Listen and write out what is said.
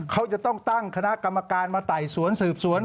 เขาจะต้องตั้งคณะกรรมการมาไต่สวนสืบสวน